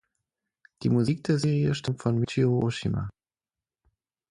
Die Musik der Serie stammt von Michiru Oshima.